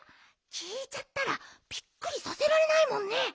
きいちゃったらびっくりさせられないもんね。